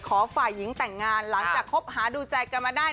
ฝ่ายหญิงแต่งงานหลังจากคบหาดูใจกันมาได้